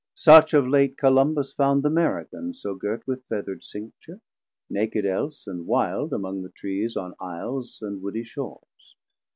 Such of late Columbus found th' American so girt With featherd Cincture, naked else and wilde Among the Trees on Iles and woodie Shores.